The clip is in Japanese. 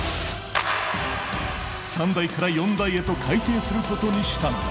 三大から四大へと改訂することにしたのだ。